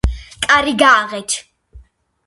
კარი გააღეთ!